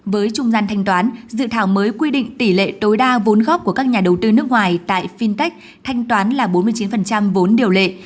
với trung gian thanh toán dự thảo mới quy định tỷ lệ tối đa vốn góp của các nhà đầu tư nước ngoài tại fintech thanh toán là bốn mươi chín vốn điều lệ